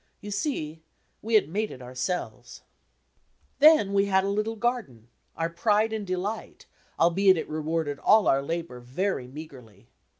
You see, we had made it ourselves! Then we had a litde garden, our pride and delight, albeit it rewarded all our labour very meagrely.